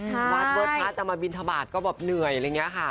วัดเวิร์ดพาสจะมาบินทบาทก็เหนื่อยอะไรเนี่ยค่ะ